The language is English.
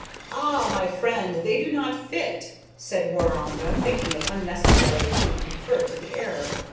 "Ah! my friend, they do not fit," said Waroonga, thinking it unnecessary to refer to the error.